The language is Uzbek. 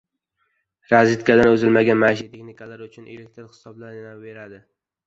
Rozetkadan uzilmagan maishiy texnikalar uchun elektr hisoblanaveradi